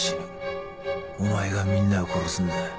お前がみんなを殺すんだ。